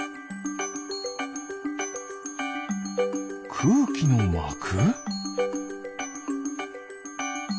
くうきのまく？